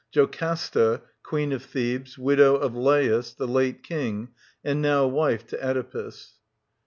JOCASTA, Queen of Thebes ; widow of Lotus, the late King, and now wife to Oedipus.